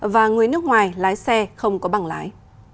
và người nước ngoài lái xe không có bảng lái